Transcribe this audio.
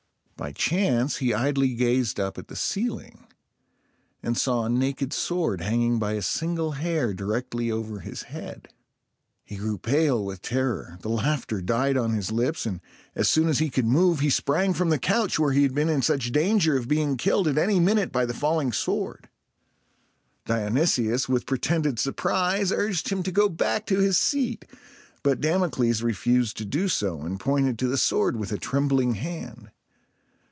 By chance he idly gazed up at the ceiling, and saw a naked sword hanging by a single hair directly over his head. He grew pale with terror, the laughter died on his lips, and, as soon as he could move, he sprang from the couch, where he had been in such danger of being killed at any minute by the falling sword. Dionysius with pretended surprise urged him to go back to his seat; but Damocles refused to do so, and pointed to the sword with a trembling hand.